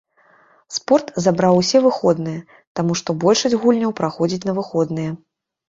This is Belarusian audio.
Спорт забраў усе выходныя, таму што большасць гульняў праходзіць на выходныя.